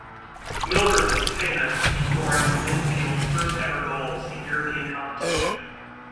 Milburn is famous for scoring Linfield's first ever goals in European competition.